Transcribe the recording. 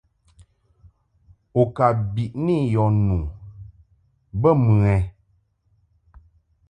U ka biʼni yɔ nu bə mɨ ɛ?